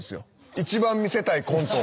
一番見せたいコントを。